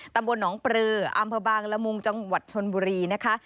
ตำบลหนองปลืออำเภอบางละมุงจังหวัดชนบุรีนะคะ